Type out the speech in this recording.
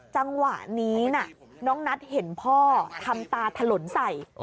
จังหวะนี้นะน้องนัทเห็นพ่อทำตาถล่นใส่